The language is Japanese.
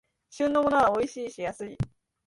旬のものはおいしいし安い